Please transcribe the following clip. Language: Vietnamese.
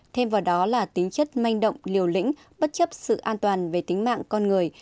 thêm vào đó là tính chất manh động liều lĩnh bất chấp sự an toàn về tính mạng con người